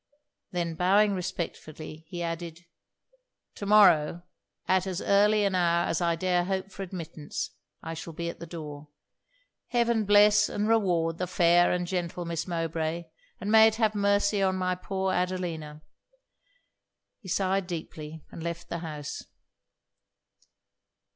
Then bowing respectfully, he added 'To morrow, at as early an hour as I dare hope for admittance, I shall be at the door. Heaven bless and reward the fair and gentle Miss Mowbray and may it have mercy on my poor Adelina!' He sighed deeply, and left the house.